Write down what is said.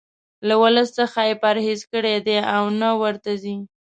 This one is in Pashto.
له ولس څخه یې پرهیز کړی دی او نه ورته ځي.